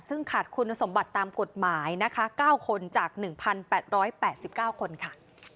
ซึ่งขาดคุณสมบัติตามกฎหมายนะคะ๙คนจาก๑๘๘๙คนค่ะ